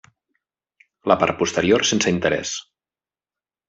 La part posterior sense interès.